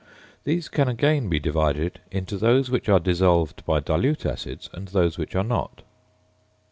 These can again be divided into those which are dissolved by dilute acids and those which are not.